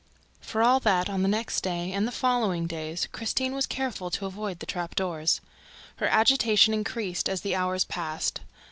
For all that, on the next day and the following days, Christine was careful to avoid the trap doors. Her agitation only increased as the hours passed.